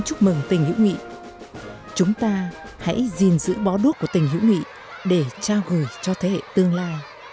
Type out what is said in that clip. chúc mừng tình hữu nghị chúng ta hãy gìn giữ bó đuốc của tình hữu nghị để trao gửi cho thế hệ tương lai